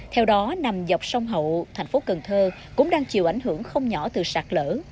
theo đó nằm dọc sông hậu thành phố cần thơ cũng đang chịu ảnh hưởng không nhỏ từ sạt lỡ